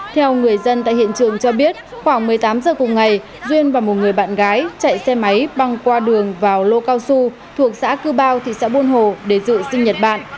theo người dân tại hiện trường cho biết khoảng một mươi tám giờ cùng ngày duyên và một người bạn gái chạy xe máy băng qua đường vào lô cao su thuộc xã cư bao thị xã buôn hồ để dự sinh nhật bản